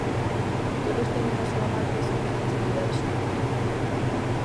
Todos teñen a súa marca e son responsabilidade súa.